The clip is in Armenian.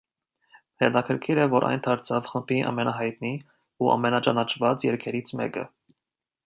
Հետաքրքիր է, որ այն դարձավ խմբի ամենահայտնի ու ամենաճանաչված երգերից մեկը։